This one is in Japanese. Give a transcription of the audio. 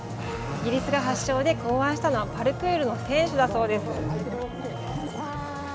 イギリスが発祥で考案したのはパルクールの選手だそうです。